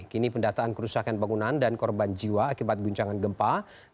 kini pendataan kerusakan bangunan dan korban jiwa akibat guncangan gempa